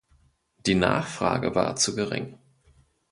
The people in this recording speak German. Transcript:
Die Nachfrage war zu gering.